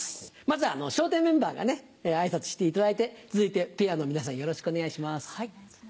まず笑点メンバーが挨拶していただいて続いてペアの皆さんよろしくお願いします。